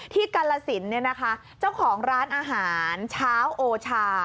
ที่กาลสินเนี่ยนะคะเจ้าของร้านอาหารชาวโอชา